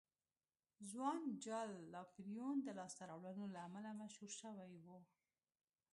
ځوان جال ناپلیون د لاسته راوړنو له امله مشهور شوی و.